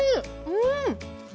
うん！